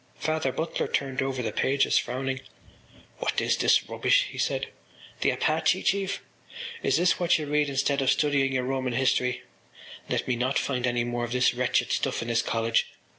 Father Butler turned over the pages, frowning. “What is this rubbish?” he said. “_The Apache Chief!_ Is this what you read instead of studying your Roman History? Let me not find any more of this wretched stuff in this college.